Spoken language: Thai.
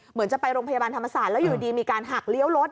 เหมือนจะไปโรงพยาบาลธรรมศาสตร์แล้วอยู่ดีมีการหักเลี้ยวรถ